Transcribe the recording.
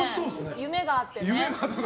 夢があってね。